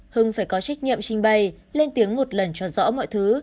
hưng phải có trách nhiệm trinh bay lên tiếng một lần cho rõ mọi thứ